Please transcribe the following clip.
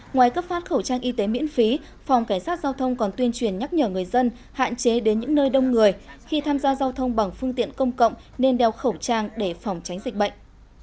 ngoài cấp phát khẩu trang y tế miễn phí phòng cảnh sát giao thông còn tuyên truyền nhắc nhở người dân hạn chế đến những nơi đông người khi tham gia giao thông bằng phương tiện công cộng nên đeo khẩu trang để phòng tránh dịch bệnh